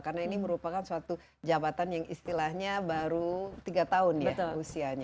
karena ini merupakan suatu jabatan yang istilahnya baru tiga tahun ya usianya